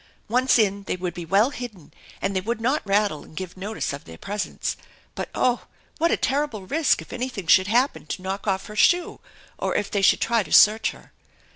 Once in they would be well hidden, and they would not rattle and give notice of their presence; but oh, what a terrible risk if anything should happen to knock off her shoe, or if they should try to search her